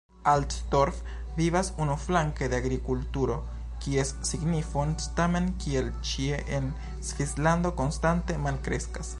Altdorf vivas unuflanke de agrikulturo, kies signifon tamen kiel ĉie en Svislando konstante malkreskas.